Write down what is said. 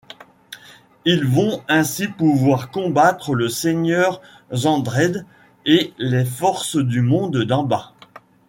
Ils vont ainsi pouvoir combattre le seigneur Xandred et les forces du Monde d'en-bas.